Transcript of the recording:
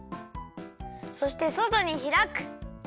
そしてそとにひらく！